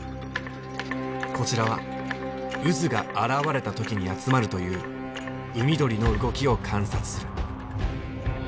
こちらは渦が現れた時に集まるという海鳥の動きを観察する。